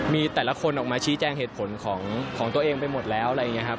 มีแต่ละคนออกมาชี้แจ้งเหตุผลของตัวเองไปหมดแล้ว